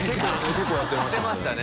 結構やってましたね。